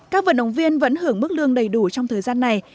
các vận động viên vẫn hưởng mức lương đầy đủ trong thời gian này